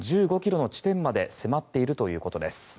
１５ｋｍの地点まで迫っているということです。